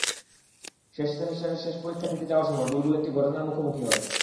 শেষ সেমিস্টারের শেষ পরীক্ষা দিতে যাওয়ার সময় বুলবুল একটি ঘটনার মুখোমুখি হয়।